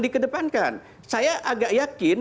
dikedepankan saya agak yakin